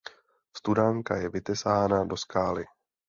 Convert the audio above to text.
Studánka je vytesána do skály.